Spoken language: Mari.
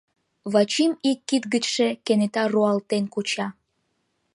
Вачим ик кид гычше кенета руалтен куча.